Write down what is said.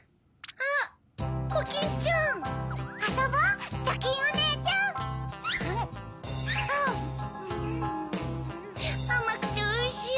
あまくておいしい！